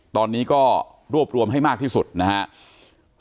ตอนนี้ก็รวบรวมให้มากที่สุดนะครับ